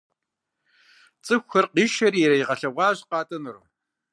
ЦӀыхухэр къишэри яригъэлъэгъуащ къатӀынур.